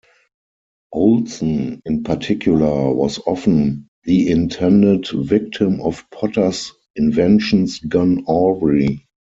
Olsen, in particular, was often the intended victim of Potter's inventions gone awry.